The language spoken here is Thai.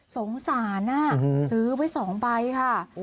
สงสารซื้อไว้๒ใบค่ะ